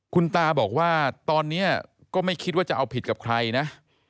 คุณตาบอกว่าตอนนี้ก็ไม่คิดว่าจะเอาผิดกับใครนะ